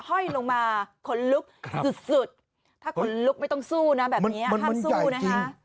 ห้อยลงมาขนลุกสุดถ้าขนลุกไม่ต้องสู้นะแบบนี้ร้านสู้นะฮะมันใหญ่จริง